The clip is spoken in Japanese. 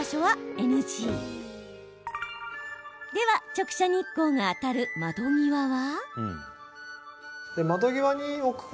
直射日光が当たる窓際は。